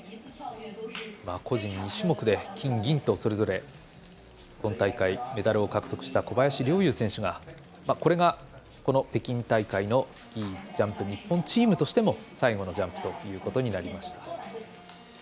個人２種目で金、銀と、それぞれ今大会メダルを獲得した小林陵侑選手がこれが、この北京大会のスキー・ジャンプ日本チームとしても最後のジャンプということになりました。